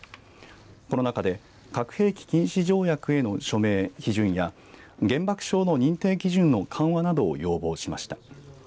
この中で核兵器禁止条約への署名、批准や原爆症の認定基準の緩和などを要望しました。